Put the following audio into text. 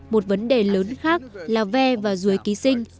một vấn đề lớn khác là ve và dưới ký sinh